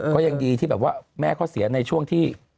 ก็ยังดีที่แบบว่าแม่เขาเสียในช่วงที่